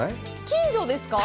近所ですか？